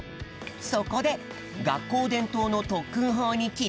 そこでがっこうでんとうのとっくんほうにきりかえ！